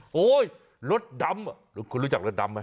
โอ้โหรถดำคุณรู้จักรถดำไหม